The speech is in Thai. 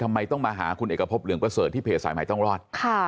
ทำไมต้องมาหาคุณเอกพบเหลืองประเสริฐที่เพจสายใหม่ต้องรอด